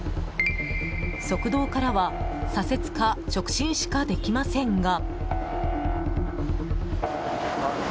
側道からは左折か直進しかできませんが。